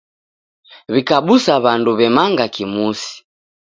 W'ikabusa w'andu w'emanga kimusi.